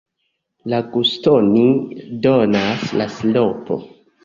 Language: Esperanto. La guston donas la siropo.